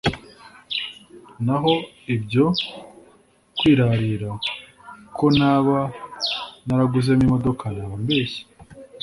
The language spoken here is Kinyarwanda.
naho ibyo kwirarira ko naba naraguzemo imodoka naba mbeshye